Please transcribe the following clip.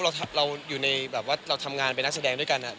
เราอยู่ในแบบว่าเราทำงานเป็นนักแสดงด้วยกัน